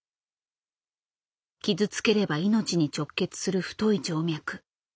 傷つければ命に直結する太い静脈。